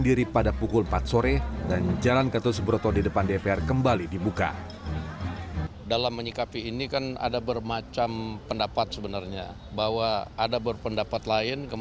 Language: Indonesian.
mereka menjelaskan diri pada pukul empat sore